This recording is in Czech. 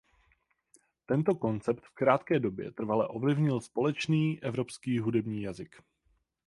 Tento koncept v krátké době trvale ovlivnil společný evropský hudební jazyk.